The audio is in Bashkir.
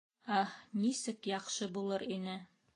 — Аһ, нисек яҡшы булыр ине!